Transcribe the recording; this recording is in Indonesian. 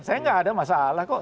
saya nggak ada masalah kok